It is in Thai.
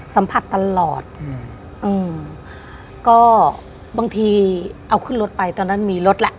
สัมผัสตลอดอืมอืมก็บางทีเอาขึ้นรถไปตอนนั้นมีรถแหละ